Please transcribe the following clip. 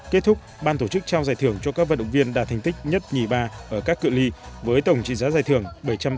kết thúc ban tổ chức trao giải thưởng cho các vận động viên đạt thành tích nhất nhì ba ở các cựu ly với tổng trị giá giải thưởng bảy trăm tám mươi sáu triệu đồng